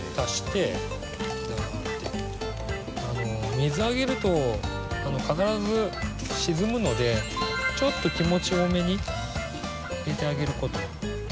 水あげると必ず沈むのでちょっと気持ち多めに入れてあげることですね。